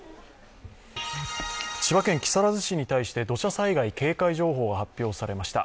千葉県木更津市に対して土砂災害警戒情報が発表されました。